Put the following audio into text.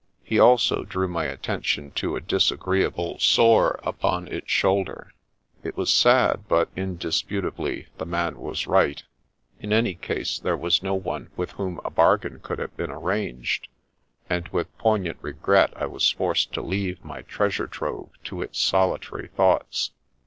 He also drew my attention to a disagreeable sore upon its shoulder. It was sad; but indisput ably the man was right; in any case there was no one with whom a bargain could have been arranged, and with poignant regret I was forced to leave my treasure trove to its solitary thoughts.